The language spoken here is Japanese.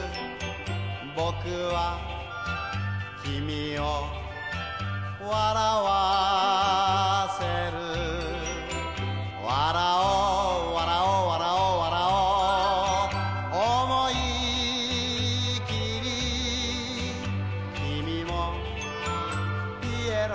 「僕は君を笑わせる」「笑おう笑おう笑おう笑おうおもいきり」「君もピエロ」